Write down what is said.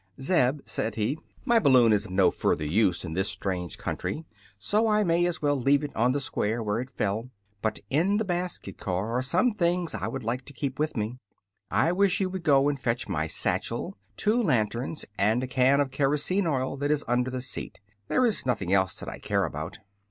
"Zeb," said he, "my balloon is of no further use in this strange country, so I may as well leave it on the square where it fell. But in the basket car are some things I would like to keep with me. I wish you would go and fetch my satchel, two lanterns, and a can of kerosene oil that is under the seat. There is nothing else that I care about."